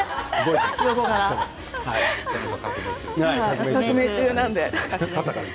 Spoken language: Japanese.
今、革命中なので。